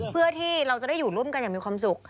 เพื่อที่เราจะได้อยู่ร่วมกันอย่างมีความสุข